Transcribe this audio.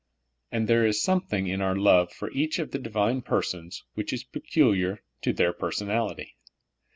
And there is something in our love for each of the Divine persons which is peculiar to their per sonality.